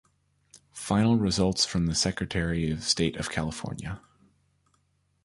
Final results from the Secretary of State of California.